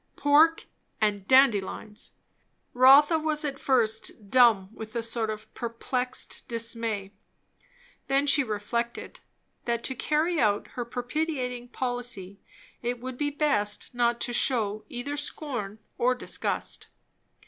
Pork and dandelions! Rotha was at first dumb with a sort of perplexed dismay; then she reflected, that to carry out her propitiating policy it would be best not to shew either scorn or disgust.